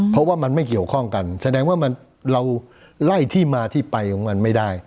เพราะว่ามันไม่เกี่ยวข้องกันแสดงว่าเราไล่ที่มาที่ไปของมันไม่ได้